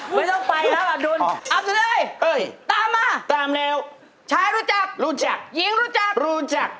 ไม่ต้องไปแล้วอ่ะดุลเอาไปเลยตามมาตามแล้วชายรู้จักรู้จักหญิงรู้จักรู้จัก